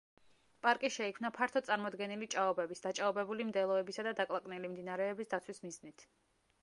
პარკი შეიქმნა ფართოდ წარმოდგენილი ჭაობების, დაჭაობებული მდელოებისა და დაკლაკნილი მდინარეების დაცვის მიზნით.